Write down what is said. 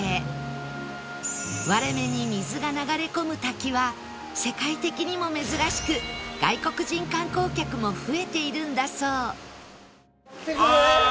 割れ目に水が流れ込む滝は世界的にも珍しく外国人観光客も増えているんだそう